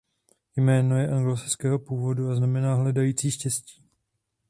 Jméno je anglosaského původu a znamená "hledající štěstí".